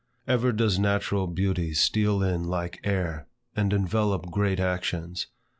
Ever does natural beauty steal in like air, and envelope great actions.